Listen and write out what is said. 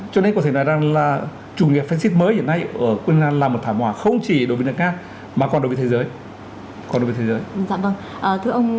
cho nên có thể nói rằng là chủ nghĩa phát xít mới hiện nay ở ukraine là một thảm họa không chỉ đối với nhật nam mà còn đối với thế giới